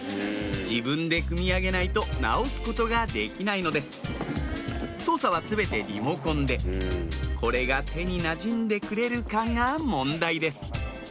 自分で組み上げないと直すことができないのです操作は全てリモコンでこれが手になじんでくれるかが問題です